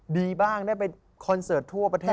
ดีบ้างได้ไปคอนเสิร์ตทั่วประเทศ